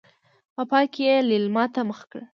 په پای کې يې ليلما ته مخ کړ.